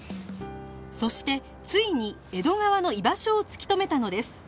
そしてついに江戸川の居場所を突き止めたのです